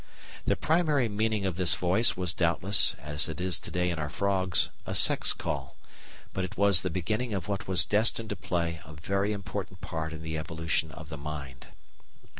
The primary meaning of this voice was doubtless, as it is to day in our frogs, a sex call; but it was the beginning of what was destined to play a very important part in the evolution of the mind.